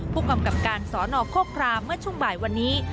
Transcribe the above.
ผู้กำกับการสอนอโคครามเมื่อช่วงบ่ายวันนี้